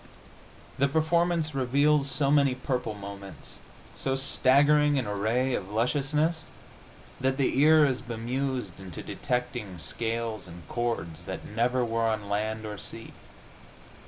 The performance reveals so many purple moments, so staggering an array of lusciousness, that the ear is bemused into detecting scales and chords that never were on land or sea.